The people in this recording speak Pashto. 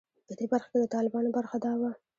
په دې برخه کې د طالبانو برخه دا وه.